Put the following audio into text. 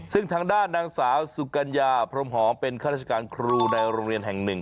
ซึ่งทางด้านนางสาวสุกัญญาพรมหอมเป็นข้าราชการครูในโรงเรียนแห่งหนึ่ง